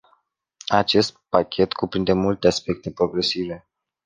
Acest pachet cuprinde multe aspecte progresive.